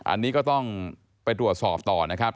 อันนี้ก็ต้องไปตรวจสอบต่อนะครับ